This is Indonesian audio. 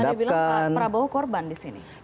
pak adi bilang pak perbowo korban disini